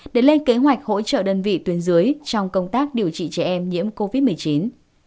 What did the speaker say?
để lên kế hoạch hỗ trợ đơn vị tuyến dưới trong công tác điều trị trẻ em nhiễm covid một mươi chín